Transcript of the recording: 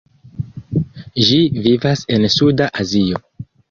Ĝi vivas en Suda Azio.